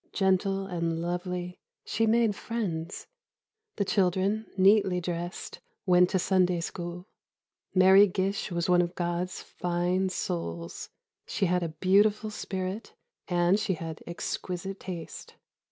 Gentle and lovely, she made friends. The children, neatly dressed, went to Sunday School. Mary Gish was one of God's fine souls. She had a beautiful spirit, and she had exquisite taste.